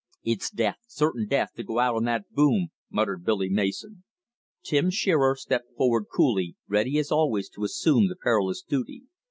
"It's death, certain death, to go out on that boom," muttered Billy Mason. Tim Shearer stepped forward coolly, ready as always to assume the perilous duty.